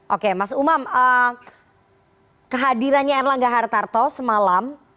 oke mas umam kehadirannya erlangga hatta toh semalam